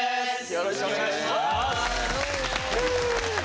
よろしくお願いします。